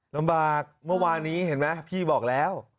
ลำบากเมื่อวานนี้เห็นไหมพี่บอกแล้ว